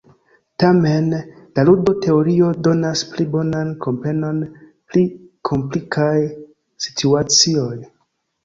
Tamen, la ludo-teorio donas pli bonan komprenon pri komplikaj situacioj.